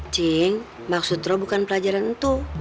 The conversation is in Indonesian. cing maksud roh bukan pelajaran itu